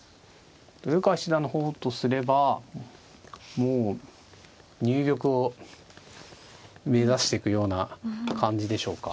豊川七段の方とすればもう入玉を目指してくような感じでしょうか。